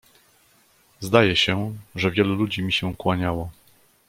"Zdaje się, że wielu ludzi mi się kłaniało."